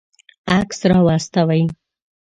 عکس راواستوئ